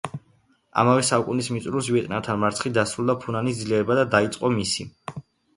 ამავე საუკუნის მიწურულს, ვიეტნამთან მარცხით დასრულდა ფუნანის ძლიერება და დაიწყო მისი დასუსტება.